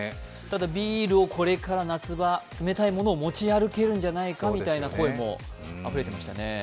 ただ、ビールをこれから夏場冷たいものを持ち歩けるんじゃないかみたいな声もあふれてましたね。